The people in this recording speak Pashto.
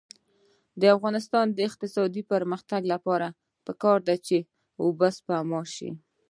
د افغانستان د اقتصادي پرمختګ لپاره پکار ده چې اوبه سپما شي.